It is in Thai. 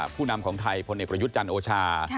ผู้นำของไทยพลเอกประยุทธ์จันทร์โอชา